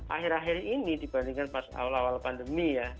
akhir akhir ini dibandingkan pas awal awal pandemi ya